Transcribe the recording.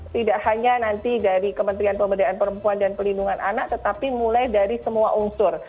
tidak hanya nanti dari kementerian pemberdayaan perempuan dan pelindungan anak tetapi mulai dari semua unsur